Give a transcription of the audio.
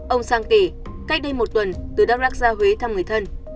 ông sang kể cách đây một tuần từ đắk lắc ra huế thăm người thân